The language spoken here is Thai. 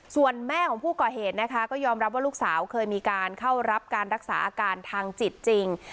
ส่วนแม่ของผู้ก่อเหตุนะคะก็ยอมรับว่าลูกสาวเคยมีการเข้ารับการรักษาอาการทางจิตจริง